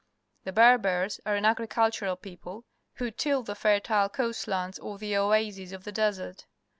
The Ber bers are an agricultural people, who till the fertile coast lands or the oases of the desert.